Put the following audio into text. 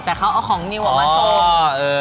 แต่เขาเอาของนิวมาส่ง